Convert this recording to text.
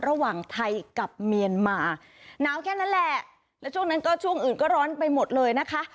ระหว่างไทยกับเมียนมาหนาวแค่นั้นแหละแล้วช่วงนั้นก็ช่วงอื่นก็ร้อนไปหมดเลยนะคะ